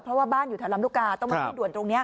เพราะว่าบ้านอยู่แถวลำลูกกาต้องมาขึ้นด่วนตรงนี้